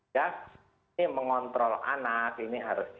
ya ini mengontrol anak ini harus